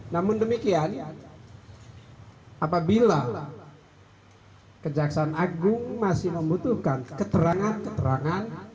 namun demikian apabila kejaksaan agung masih membutuhkan keterangan keterangan